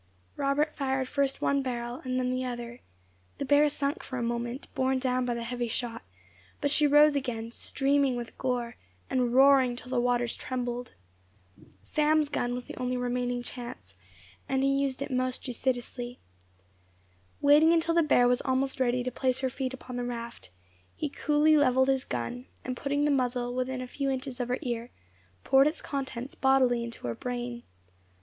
Robert fired first one barrel, and then the other; the bear sunk for a moment, borne down by the heavy shot, but she rose again, streaming with gore, and roaring till the waters trembled. Sam's gun was the only remaining chance, and he used it most judiciously. Waiting until the bear was almost ready to place her feet upon the raft, he coolly levelled his gun, and putting the muzzle within a few inches of her ear, poured its contents bodily into her brain.